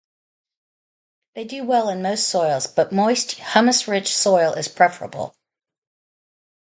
They do well in most soils, but moist, humus-rich soil is preferable.